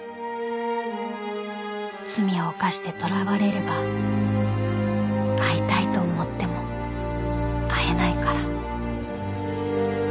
［罪を犯して捕らわれれば会いたいと思っても会えないから］